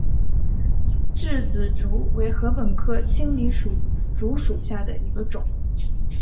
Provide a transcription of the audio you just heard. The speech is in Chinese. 稚子竹为禾本科青篱竹属下的一个种。